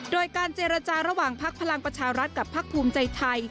โดยการเจรจาระหว่างพักพลังประชารัฐกับพักภูมิใจไทย